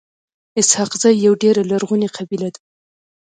اسحق زی يوه ډيره لرغوني قبیله ده.